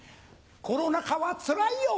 コロナ禍はつらいよ。